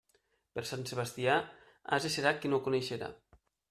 Per Sant Sebastià, ase serà qui no ho coneixerà.